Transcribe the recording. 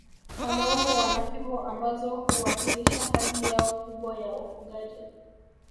Wanaume wana fimbo ambazo huwakilisha kazi yao kubwa ya ufugaji